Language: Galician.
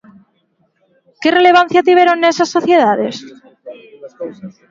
Que relevancia tiveron nesas sociedades?